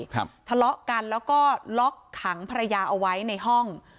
ทะเลาะกันแล้วก็ล็อกขังภรรยาเอาไว้ในห้อง